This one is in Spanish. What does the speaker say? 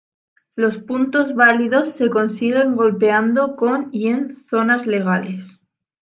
Los puntos válidos se consiguen golpeando con y en zonas legales.